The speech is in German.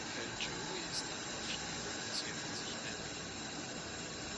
Pal Joey ist ein Aufschneider und sehr von sich eingenommen.